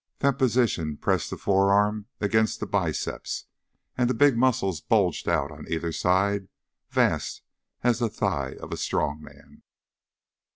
That position pressed the forearm against the biceps and the big muscles bulged out on either side, vast as the thigh of a strong man.